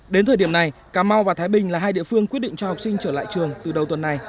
đến thời điểm này cà mau và thái bình là hai địa phương quyết định cho học sinh trở lại trường từ đầu tuần này